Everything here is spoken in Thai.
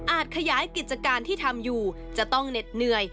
ขยายกิจการที่ทำอยู่จะต้องเหน็ดเหนื่อย